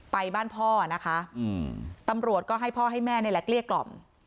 ไปบ้านพ่อนะคะอืมตำรวจก็ให้พ่อให้แม่ในแหลกเรียกกล่อม